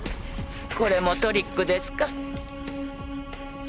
これもトリックですか？